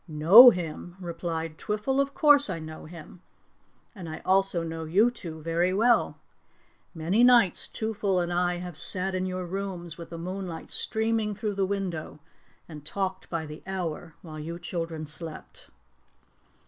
"Know him?" replied Twiffle. "Of course I know him. And I also know you two very well. Many nights Twoffle and I have sat in your rooms with the moonlight streaming through the window and talked by the hour while you children slept."